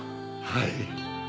はい。